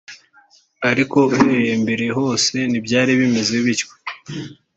ariko uhereye mbere hose ntibyari bimeze bityo